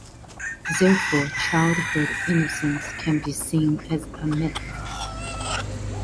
Therefore, childhood innocence can be seen as a myth.